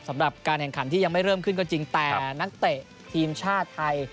สำหรับการแข่งขันที่ยังไม่เริ่มขึ้นก็จริงแต่นักเตะทีมชาติไทย